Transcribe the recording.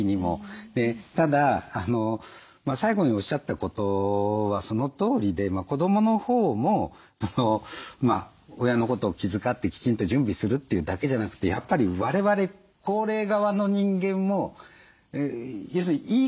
ただ最後におっしゃったことはそのとおりで子どものほうも親のことを気遣ってきちんと準備するっていうだけじゃなくてわれわれ高齢側の人間も要するにいい